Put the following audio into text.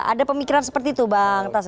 ada pemikiran seperti itu bang tas